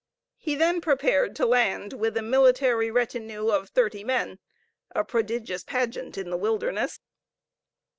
He then prepared to land with a military retinue of thirty men, a prodigious pageant in the wilderness.